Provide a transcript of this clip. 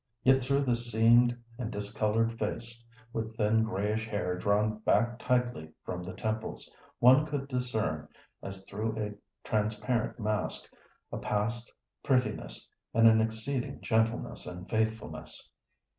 Yet through this seamed and discolored face, with thin grayish hair drawn back tightly from the temples, one could discern, as through a transparent mask, a past prettiness and an exceeding gentleness and faithfulness.